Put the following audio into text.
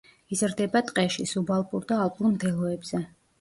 იზრდება ტყეში, სუბალპურ და ალპურ მდელოებზე.